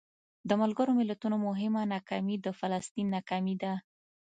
د ملګرو ملتونو مهمه ناکامي د فلسطین ناکامي ده.